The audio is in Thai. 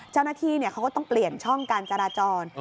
เจ้าหน้าที่เขาก็ต้องเปลี่ยนช่องการจราจร